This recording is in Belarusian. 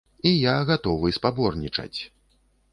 І я гатовы спаборнічаць.